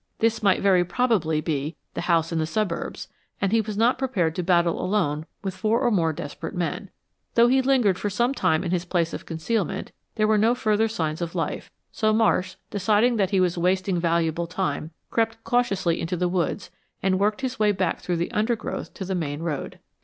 This might very probably be "the house in the suburbs," and he was not prepared to battle alone with four or more desperate men. Though he lingered for some time in his place of concealment, there were no further signs of life, so Marsh, deciding that he was wasting valuable time, crept cautiously into the woods and worked his way back through the undergrowth to the main road.